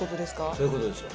そういうことですよ。